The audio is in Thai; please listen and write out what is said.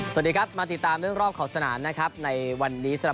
สวัสดีครับมาติดตามเรื่องรอบขอบสนามนะครับในวันนี้สำหรับ